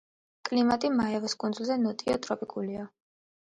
კლიმატი მაევოს კუნძულზე ნოტიო ტროპიკულია.